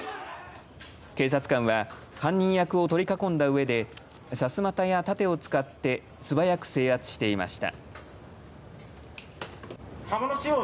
警察官は犯人役を取り囲んだうえでさすまたや盾を使って素早く制圧していました。